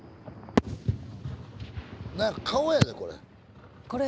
何や顔やでこれ。